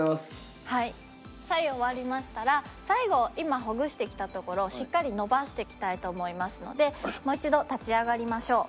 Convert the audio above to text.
はい終わりましたら最後今ほぐしてきた所をしっかり伸ばしていきたいと思いますのでもう一度立ち上がりましょう。